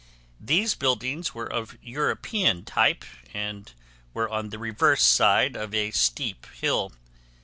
These buildings were of European type and were on the reverse side of a steep hill.